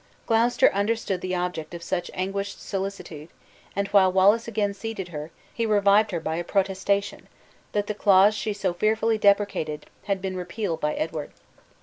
Gloucester understood the object of such anguished solicitude, and while Wallace again seated her, he revived her by a protestation, that the clause she so fearfully deprecated, had been repealed by Edward.